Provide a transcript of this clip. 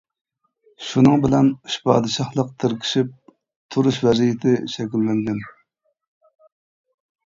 شۇنىڭ بىلەن، ئۈچ پادىشاھلىق تىركىشىپ تۇرۇش ۋەزىيىتى شەكىللەنگەن.